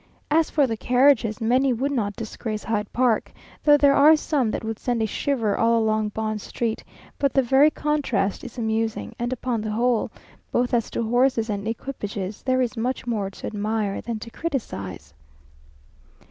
As for the carriages, many would not disgrace Hyde Park, though there are some that would send a shiver all along Bond street; but the very contrast is amusing, and upon the whole, both as to horses and equipages, there is much more to admire than to criticise....